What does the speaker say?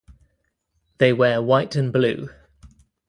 They wear white and blue.